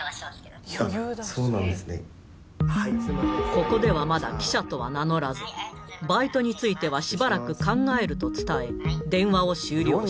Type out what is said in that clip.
ここではまだ記者とは名乗らずバイトについてはしばらく考えると伝え電話を終了した